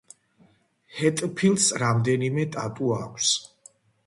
ჰეტფილდს რამდენიმე ტატუ აქვს.